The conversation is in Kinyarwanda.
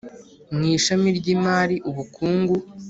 mw ishami ry Imari Ubukungu